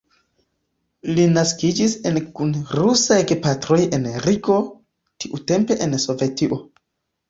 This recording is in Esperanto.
Li naskiĝis en kun rusaj gepatroj en Rigo, tiutempe en Sovetio.